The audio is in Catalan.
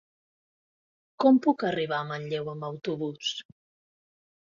Com puc arribar a Manlleu amb autobús?